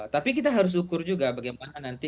tapi kita harus ukur juga bagaimana nanti